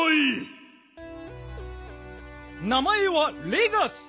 名まえはレガス。